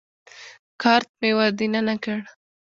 کارت مې ور دننه کړ.